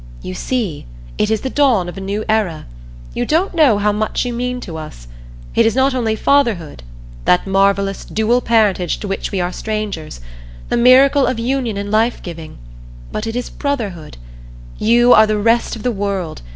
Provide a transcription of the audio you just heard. "You see, it is the dawn of a new era. You don't know how much you mean to us. It is not only Fatherhood that marvelous dual parentage to which we are strangers the miracle of union in life giving but it is Brotherhood. You are the rest of the world.